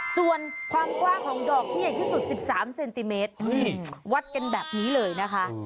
ส่วนความกว้างของดอกที่ใหญ่ที่สุด๑๓เซนติเมตรวัดกันแบบนี้เลยนะคะ